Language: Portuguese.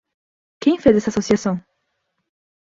Quem fez essa associação?